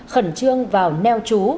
khẩn trương vào neo chú